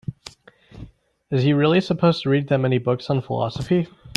Is he really supposed to read that many books on philosophy?